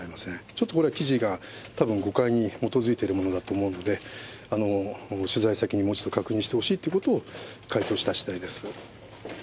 ちょっとこれは記事がたぶん誤解に基づいているものだと思うので、取材先にもう一度確認してほしいということを回答したしだいです。